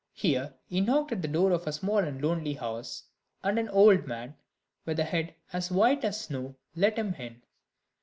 Here he knocked at the door of a small and lonely house, and an old man, with a head as white as snow, let him in.